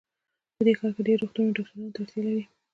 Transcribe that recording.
په دې ښار کې ډېر روغتونونه ډاکټرانو ته اړتیا لري